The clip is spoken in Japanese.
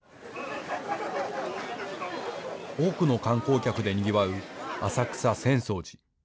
多くの観光客でにぎわう浅草・浅草寺。